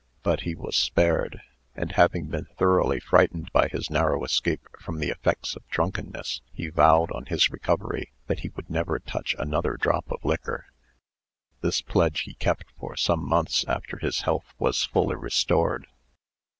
But he was spared; and, having been thoroughly frightened by his narrow escape from the effects of drunkenness, he vowed, on his recovery, that he would never touch another drop of liquor. This pledge he kept for some months after his health was fully restored.